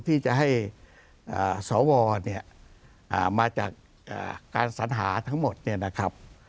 ที่จะให้สวเนี่ยมาจากการสัญหาทั้งหมดเนี่ยนะครับ